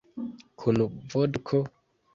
Kun vodko?